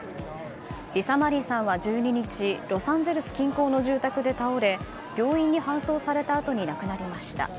リサ・マリーさんは１２日ロサンゼルス近郊の住宅で倒れ病院に搬送されたあとに亡くなりました。